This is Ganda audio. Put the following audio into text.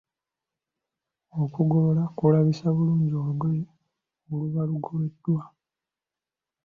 Okugolola kulabisa bulungi olugoye oluba lugoloddwa.